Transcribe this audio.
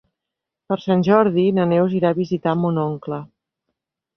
Per Sant Jordi na Neus irà a visitar mon oncle.